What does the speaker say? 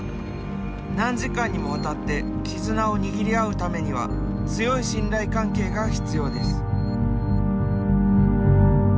何時間にもわたって「絆」を握り合うためには強い信頼関係が必要です。